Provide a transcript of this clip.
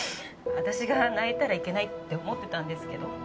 私が泣いたらいけないって思ってたんですけど。